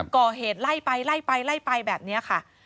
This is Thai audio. ก่อเหตุไล่ไปไล่ไปไล่ไปแบบนี้ค่ะ